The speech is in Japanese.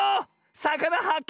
さかなはっけ